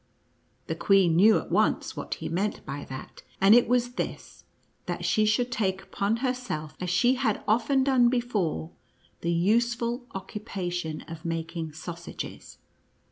The queen knew at once what he meant by that, and it was this, that she should take upon her self, as she had often done before, the useful oc cupation of making sausages.